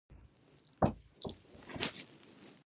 د کابل اوبه ولې کمې شوې؟